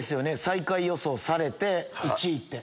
最下位予想されて１位って。